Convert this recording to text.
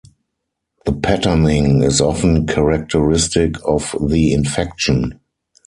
The patterning is often characteristic of the infection.